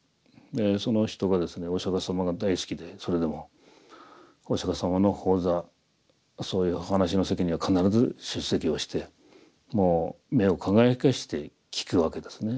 その人がですねお釈様が大好きでそれそういうお話の席には必ず出席をしてもう目を輝かせて聞くわけですね。